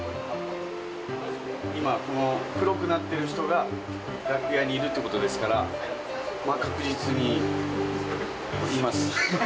今、この黒くなっている人が楽屋にいるってことですから、確実にいます。